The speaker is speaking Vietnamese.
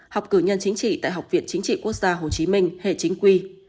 học cử nhân chính trị tại học viện chính trị quốc gia hồ chí minh hệ chính quy